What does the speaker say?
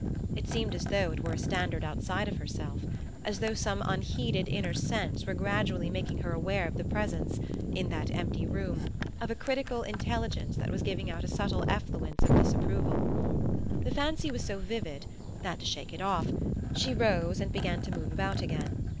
It seemed as though it were a standard outside of herself, as though some unheeded inner sense were gradually making her aware of the presence, in that empty room, of a critical intelligence that was giving out a subtle effluence of disapproval. The fancy was so vivid that, to shake it off, she rose and began to move about again.